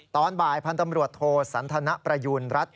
ตอนบ่ายพันธ์ตำรวจโทสันทนประยูณรัฐ